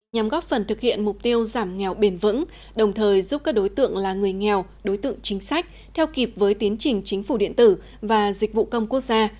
nhằm góp phần thực hiện mục tiêu giảm nghèo bền vững đồng thời giúp các đối tượng là người nghèo đối tượng chính sách theo kịp với tiến trình chính phủ điện tử và dịch vụ công quốc gia